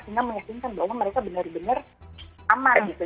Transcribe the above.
sehingga meyakinkan bahwa mereka benar benar aman gitu